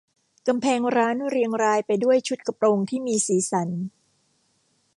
กำแพงร้านเรียงรายไปด้วยชุดกระโปรงที่มีสีสัน